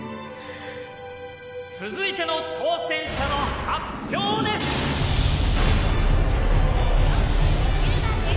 続いての当選者の発表です。